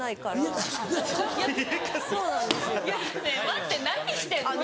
待って何してんの？